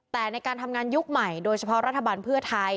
แต่ในการทำงานยุคใหม่โดยเฉพาะรัฐบาลเพื่อไทย